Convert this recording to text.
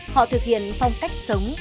họ thực hiện phong cách sống